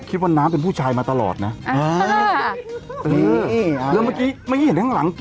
คิดว่าน้ำเป็นผู้ชายมาตลอดนะแล้วเมื่อกี้เมื่อกี้เห็นข้างหลัง